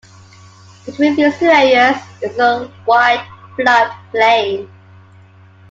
Between these two areas is a wide flood plain.